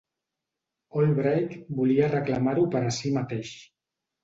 Albright volia reclamar-ho per a si mateix.